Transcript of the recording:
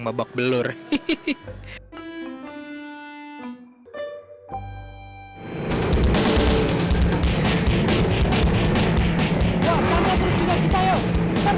om tal teria mau putar